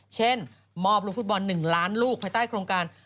เช่นมอบลูกฟุตบอล๑ล้านลูกภายใต้โครงการ